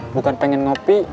bukan pengen ngopi